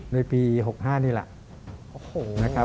ในปี๖๕นี่แหละ